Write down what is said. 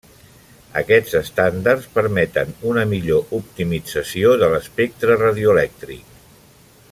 Aquests estàndards permeten una millor optimització de l'espectre radioelèctric.